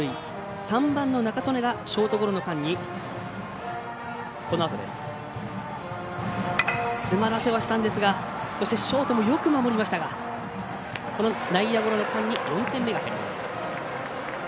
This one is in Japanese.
３番の仲宗根がショートゴロの間に詰まらせはしてショートもよく守りましたが内野ゴロの間に４点目が入ります。